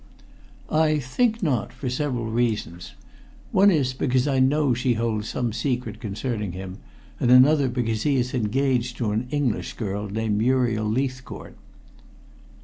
"I think not, for several reasons. One is because I know she holds some secret concerning him, and another because he is engaged to an English girl named Muriel Leithcourt."